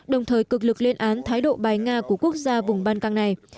đồng thời cực lực lên án thái độ bài nga của quốc gia vùng ban căng này